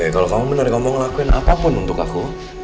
oke kalo kamu bener kamu mau ngelakuin apapun untuk aku